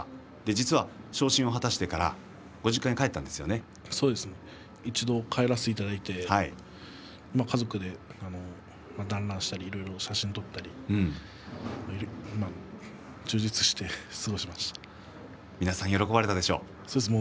実は、昇進を果たしてから一度、帰らせていただいて家族で団らんしたり、いろいろ写真を撮ったりして皆さん喜ばれたんじゃないですか？